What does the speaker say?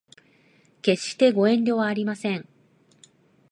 決してご遠慮はありません